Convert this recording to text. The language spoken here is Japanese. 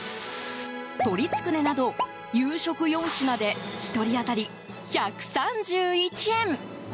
鶏つくねなど、夕食４品で１人当たり１３１円。